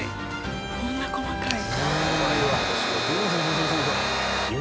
こんな細かい。